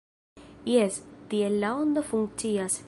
Jes, tiel La Ondo funkcias.